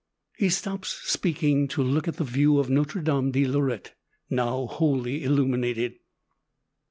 He stops speaking to look at the view of Notre Dame de Lorette, now wholly illuminated.